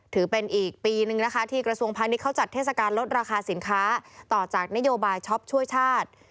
ถือเป็นอีกปีนึงนะคะที่กระทรวงพาณิชยเขาจัดเทศกาลลดราคาสินค้าต่อจากนโยบายช็อปช่วยชาติ